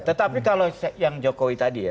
tetapi kalau yang jokowi tadi ya